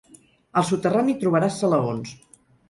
Al soterrani hi trobaràs salaons.